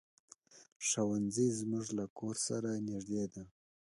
ښوونځی زمونږ له کور سره نږدې دی.